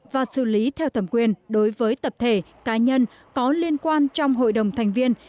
và xử lý theo thẩm quyền đối với tập thể cá nhân có liên quan trong hội đồng thành viên